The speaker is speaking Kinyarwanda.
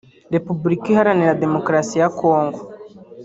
Repubulika Iharanira Demokarasi ya Congo